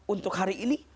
untuk hari ini